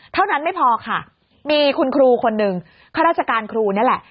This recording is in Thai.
เท่านั้นไม่พอค่ะมีคุณครูคนหนึ่งข้าราชการครูนี่แหละ